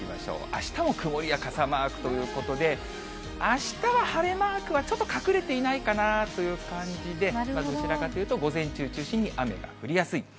あしたも曇りや傘マークということで、あしたは晴れマークはちょっと隠れていないかなという感じで、どちらかというと午前中中心に雨が降りやすい。